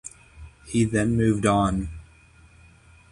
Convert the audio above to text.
He then moved on.